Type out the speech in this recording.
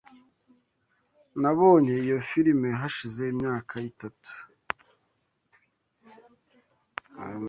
Nabonye iyo firime hashize imyaka itatu.